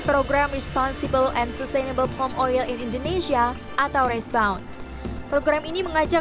program responsible and sustainable palm oil in indonesia atau respon program ini mengajak